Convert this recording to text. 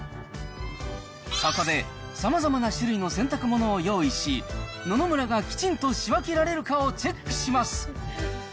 そこで、さまざまな種類の洗濯物を用意し、野々村がきちんと仕分けられるかをチェックします。